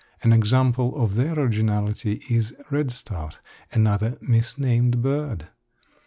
An example of their originality is redstart another misnamed bird.